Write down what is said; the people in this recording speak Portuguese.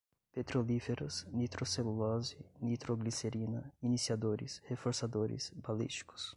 petrolíferas, nitrocelulose, nitroglicerina, iniciadores, reforçadores, balísticos